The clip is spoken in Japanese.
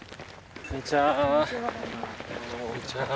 こんにちは。